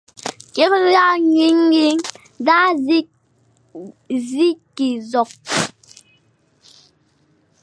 « kuri da wi kwuign da zi kig zokh.